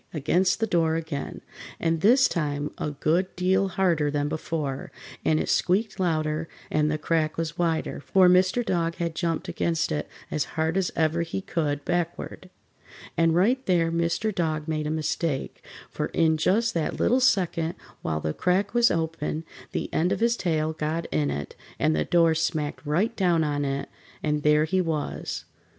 against the door again, and this time a good deal harder than before, and it squeaked louder and the crack was wider, for Mr. Dog had jumped against it as hard as ever he could, backward. And right there Mr. Dog made a mistake, for in just that little second while the crack was open the end of his tail got in it, and the door smacked right down on it, and there he was.